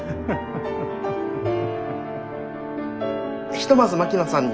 ひとまず槙野さんに。